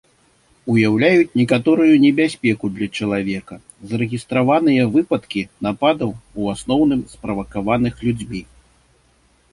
Уяўляюць некаторую небяспеку для чалавека, зарэгістраваныя выпадкі нападаў, у асноўным справакаваных людзьмі.